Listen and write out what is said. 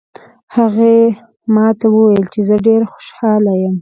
هغې ما ته وویل چې زه ډېره خوشحاله یم